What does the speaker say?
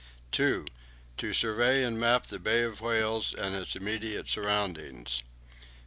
2. To survey and map the Bay of Whales and its immediate surroundings.